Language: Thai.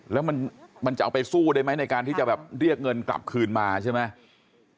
แล้วมันจะเอาไปสู้ได้ไหมในการที่จะแบบเรียกเงินกลับคืนมาใช่ไหม